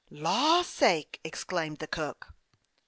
" Law sake !" exclaimed the cook.